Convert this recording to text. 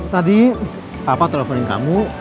tadi papa teleponin kamu